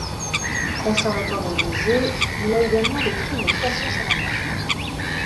Conservateur de musées, il a également décrit le poisson-salamandre.